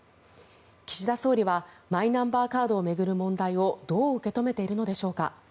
岸田総理はマイナンバーカードを巡る問題をどう受け止めているんでしょうか。